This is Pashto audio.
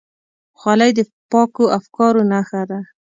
خولۍ د پاکو افکارو نښه ده.